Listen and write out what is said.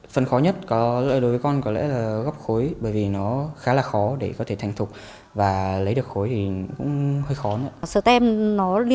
phần khó nhất đối với con có lẽ là gấp khối bởi vì nó khá là khó để có thể thành thục và lấy được khối